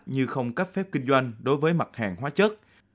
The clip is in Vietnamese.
như không cấp phép kinh doanh đối với mặt hàng hóa chất